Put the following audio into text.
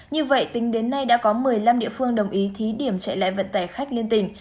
như vậy tính đến nay đã có một mươi năm địa phương đồng ý thí điểm chạy lại vận tải khách liên tỉnh